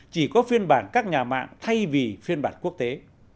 chỉ có phiên bản các nhà mạng thay vì phiên bản quốc tế